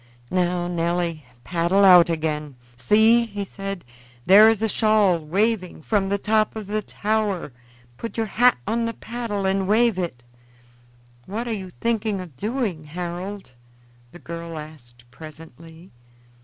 Now, Nelly, paddle out again. See!" he said, "there is a shawl waving from the top of the tower. Put your hat on the paddle and wave it." "What are you thinking of doing, Harold?" the girl asked presently.